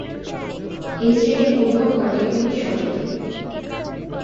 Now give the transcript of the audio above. এই শ্রেণীর উদ্ভব ঘটে উনিশ শতকে।